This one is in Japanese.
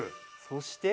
そして？